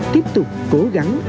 tiếp tục cố gắng